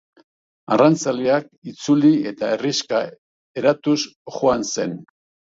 Arrantzaleak itzuli eta herrixka eratuz joan zen.